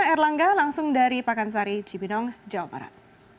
erlangga langsung dari pakansari cibinong jawa barat